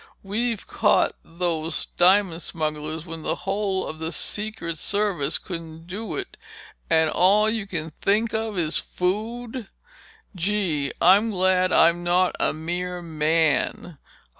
We've caught those diamond smugglers when the whole of the Secret Service couldn't do it—and all you think of is food! Gee, I'm glad I'm not a mere man.